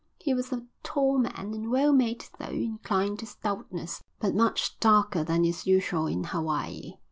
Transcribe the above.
He was a tall man, and well made though inclined to stoutness, but much darker than is usual in Hawaii.